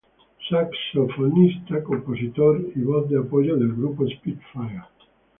Saxofonista, compositor y voz de apoyo del grupo Spitfire.